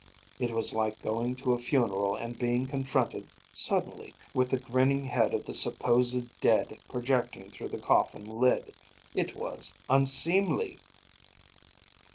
It was like going to a funeral and being confronted, suddenly, with the grinning head of the supposed dead projecting through the coffin lid. It was unseemly!